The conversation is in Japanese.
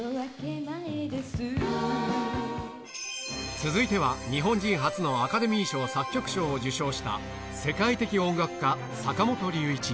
続いては日本人初のアカデミー賞作曲賞を受賞した世界的音楽家、坂本龍一。